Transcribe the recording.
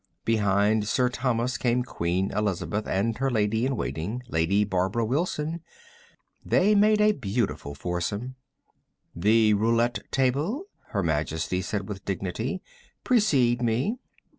Behind Sir Thomas came Queen Elizabeth and her Lady in Waiting, Lady Barbara Wilson. They made a beautiful foursome. "The roulette table," Her Majesty said with dignity. "Precede me."